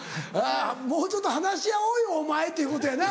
もうちょっと話し合おうよお前ということやな。